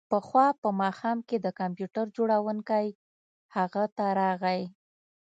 پخوا په ماښام کې د کمپیوټر جوړونکی هغه ته راغی